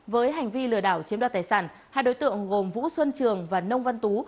với hành vi lừa đảo chiếm đoạt tài sản hai đối tượng gồm vũ xuân trường và nông văn tú